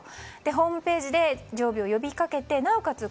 ホームページで常備を呼び掛けてなおかつ